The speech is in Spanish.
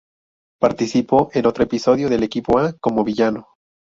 Participó en otro episodio del Equipo A como villano.